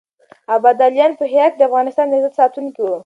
ابدالیان په هرات کې د افغانستان د عزت ساتونکي وو.